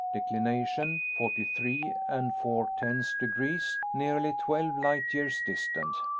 Declination: forty three and four tenths degrees. Nearly twelve light years distant.